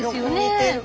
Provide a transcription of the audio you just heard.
似てる。